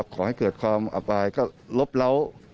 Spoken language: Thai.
ขอให้เกิดความอับอายก็ลบเล้า